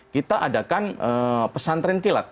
kita adakan pesantren kilat